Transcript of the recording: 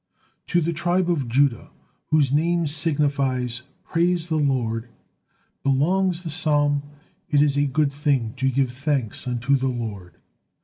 To the tribe of Judah, whose name signifies, "Praise the Lord," belongs the psalm, "It is a good thing to give thanks unto the Lord."